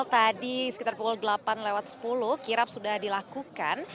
tadi sekitar pukul delapan lewat sepuluh kirap sudah dilakukan